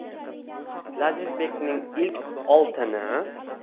Lazizbekning ilk oltini